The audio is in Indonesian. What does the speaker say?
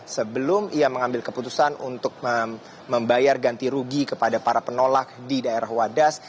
sebelum ia mengambil keputusan untuk membayar ganti rugi kepada para penolak di daerah wadas